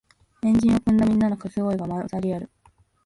円陣を組んだみんなのかけ声が混ざり合う